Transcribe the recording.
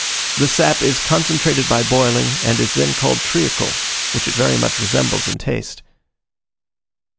The sap is concentrated by boiling, and is then called treacle, which it very much resembles in taste.